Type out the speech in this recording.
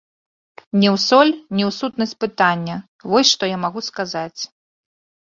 Не ў соль, не ў сутнасць пытання, вось што я магу сказаць.